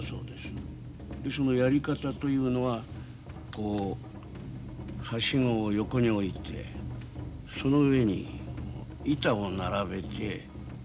そのやり方というのははしごを横に置いてその上に板を並べて身を横たえるんです。